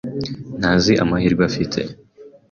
ntazi amahirwe afite.